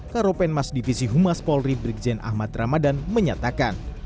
karopen mas divisi humas polri brigzen ahmad ramadan menyatakan